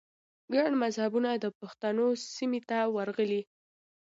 ګڼ مذهبونه د پښتنو سیمې ته ورغلي